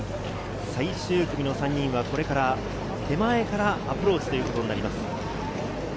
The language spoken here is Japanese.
最終組の３人はこれから、手前からアプローチということになります。